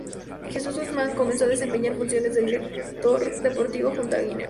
Jesús Guzmán comenzó a desempeñar funciones de director deportivo, junto a Giner.